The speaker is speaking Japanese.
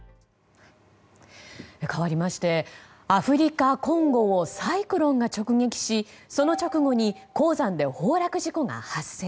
かわりましてアフリカ、コンゴをサイクロンが直撃しその直後に鉱山で崩落事故が発生。